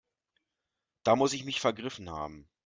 Da muss ich mich vergriffen haben.